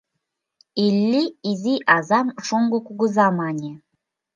— Илли изи азам «шоҥго кугыза» мане!